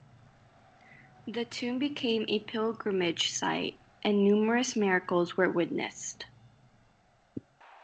The tomb became a pilgrimage site, and numerous miracles were witnessed.